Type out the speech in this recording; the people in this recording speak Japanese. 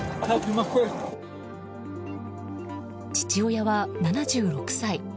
父親は７６歳。